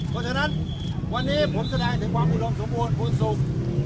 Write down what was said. เพราะฉะนั้นวันนี้ผมแสดงถึงความอุดมสมบูรณ์คุณสุข